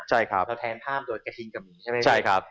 เราแทนภาพโดยกระทิงกับหมีใช่ไหมครับ